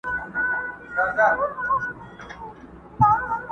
ځناورو هري خوا ته كړلې منډي؛